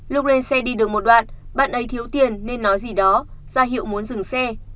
lúc lên xe đi được một đoạn bạn ấy thiếu tiền nên nói gì đó ra hiệu muốn dừng xe